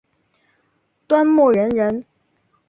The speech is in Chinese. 端木仁人。